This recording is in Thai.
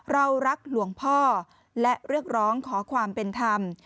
เรารักหลวงพ่อและเรียกร้องขอความเป็นธรรม